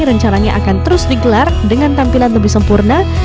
rencananya akan terus digelar dengan tampilan lebih sempurna